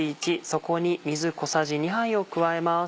そこに水小さじ２杯を加えます。